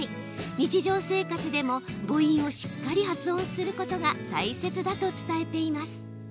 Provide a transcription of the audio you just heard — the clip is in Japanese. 日常生活でも母音をしっかりと発音することが大切だと伝えています。